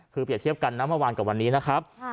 คือเปรียบเทียบกันนะเมื่อวานกับวันนี้นะครับ